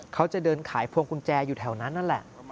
เขาจะเดินขายพวงกุญแจอยู่แถวนั้นนั่นแหละ